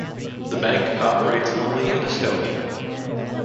The bank operates only in Estonia.